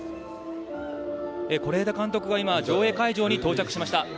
是枝監督が今、上映会場に到着しました。